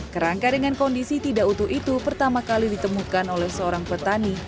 kerangka dengan kondisi tidak utuh itu pertama kali ditemukan oleh seorang petani